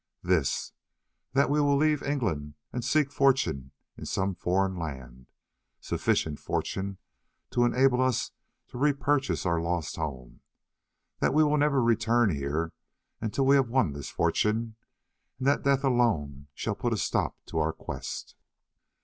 "This; that we will leave England and seek fortune in some foreign land—sufficient fortune to enable us to repurchase our lost home; that we will never return here until we have won this fortune; and that death alone shall put a stop to our quest."